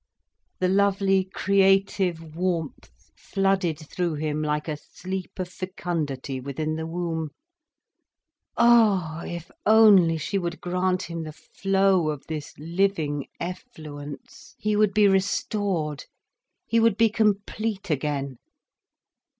The lovely creative warmth flooded through him like a sleep of fecundity within the womb. Ah, if only she would grant him the flow of this living effluence, he would be restored, he would be complete again.